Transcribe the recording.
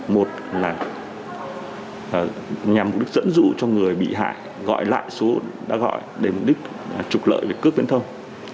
mục đích thứ hai là nhằm mục đích dẫn dụ cho người bị hại gọi lại số đã gọi để mục đích trục lợi về cước viễn thông